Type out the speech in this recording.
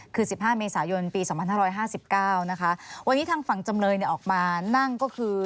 คือสิบห้าเมษายนปีสามันห้าร้อยห้าสิบเก้านะคะวันนี้ทางฝั่งจำเลยเนี่ยออกมานั่งก็คือ